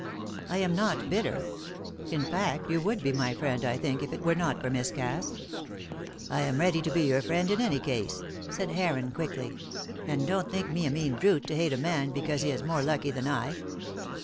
"I am not bitter. In fact, you would be my friend, I think, if it were not for Miss Cass." "I am ready to be your friend in any case," said Heron, quickly. "And don't think me a mean brute to hate a man because he is more lucky than I."